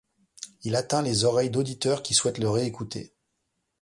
Il atteint les oreilles d'auditeurs qui souhaitent le réécouter.